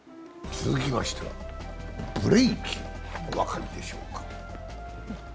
続きましてはブレイキン、お分かりでしょうか。